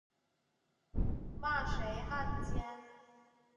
骂谁汉奸